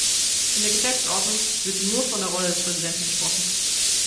In der Geschäftsordnung wird nur von der Rolle des Präsidenten gesprochen.